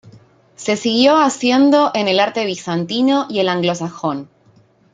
Se siguió haciendo en el arte bizantino y el anglosajón.